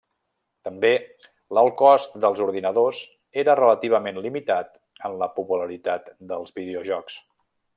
També, l'alt cost dels ordinadors era relativament limitat en la popularitat dels videojocs.